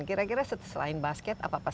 kira kira selain basket apa apa saja